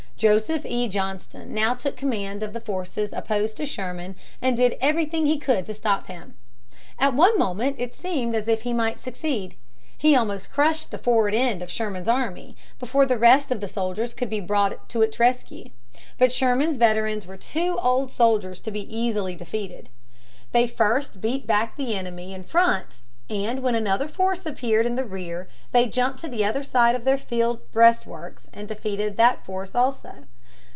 Joseph E. Johnston now took command of the forces opposed to Sherman and did everything he could to stop him. At one moment it seemed as if he might succeed. He almost crushed the forward end of Sherman's army before the rest of the soldiers could be brought to its rescue. But Sherman's veterans were too old soldiers to be easily defeated. They first beat back the enemy in front, and when another force appeared in the rear they jumped to the other side of their field breastworks and defeated that force also.